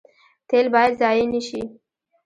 تیل باید ضایع نشي